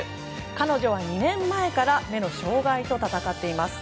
彼女は２年前から目の障害と闘っています。